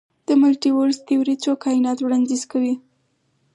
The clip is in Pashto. د ملټي ورس تیوري څو کائنات وړاندیز کوي.